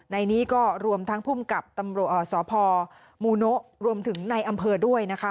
ในนี้ก็รวมทั้งภูมิกับตำรวจสพมูโนะรวมถึงในอำเภอด้วยนะคะ